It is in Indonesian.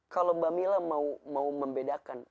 kalau mbak mila mau membedakan